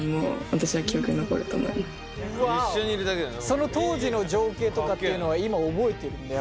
その当時の情景とかっていうのは今覚えてるんだ？